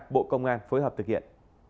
bộ công an phối hợp thực hiện